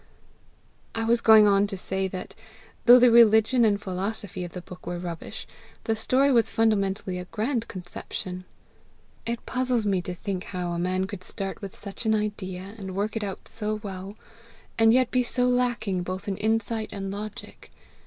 "I was going on to say that, though the religion and philosophy of the book were rubbish, the story was fundamentally a grand conception. It puzzles me to think how a man could start with such an idea, and work it out so well, and yet be so lacking both in insight and logic.